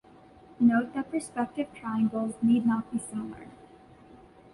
Note that perspective triangles need not be similar.